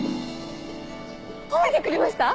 褒めてくれました？